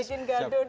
jangan bikin gaduh